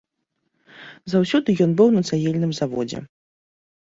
Заўсёды ён быў на цагельным заводзе.